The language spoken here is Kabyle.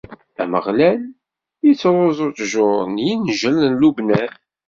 Ameɣlal ittruẓu ttjur n yingel n Lubnan.